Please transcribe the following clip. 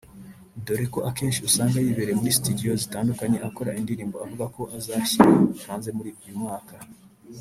doreko akenshi usanga yibereye muri studio zitandukanye akora indirimbo avuga ko azashyira hanze muri uyu mwaka